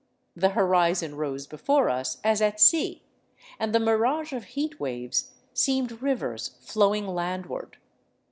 The horizon rose before us as at sea, and the mirage of heat waves seemed rivers flowing land ward.